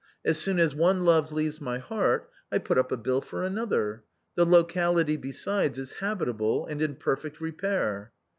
As soon as one love leaves my heart, I put up a bill for another. The locality besides is habi table and in perfect repair."